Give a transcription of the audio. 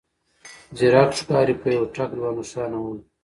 ځيرک ښکاري په يوه ټک دوه نښانه ولي.